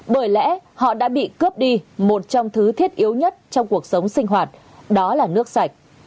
bởi lẽ họ đã bị cướp đi một trong thứ thiết yếu nhất trong cuộc sống sinh hoạt đó là nước sạch